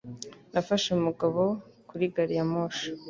Nafashe Mugabo kuri gariyamoshi.